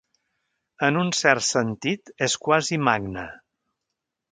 En un cert sentit, és quasi magne.